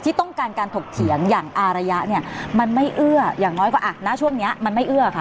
ต้องการการถกเถียงอย่างอารยะเนี่ยมันไม่เอื้ออย่างน้อยกว่าอ่ะณช่วงนี้มันไม่เอื้อค่ะ